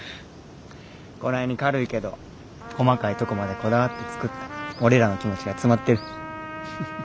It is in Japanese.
こないに軽いけど細かいとこまでこだわって作った俺らの気持ちが詰まってる。